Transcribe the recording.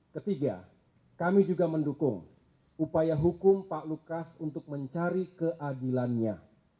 ketiga kami juga mendukung upaya hukum pak lukas untuk mencari keadilannya